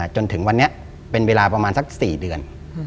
จนถึงวันนี้เป็นเวลาประมาณสัก๔เดือน